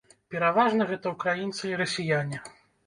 Пераважна, гэта ўкраінцы і расіяне.